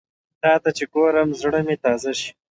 تاته چې ګورم، زړه مې تازه شي